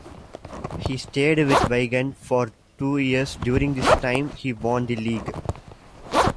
He stayed with Wigan for two years during this time he won the league.